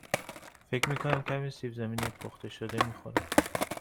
فکر می کنم کمی سیب زمینی پخته شده می خورم.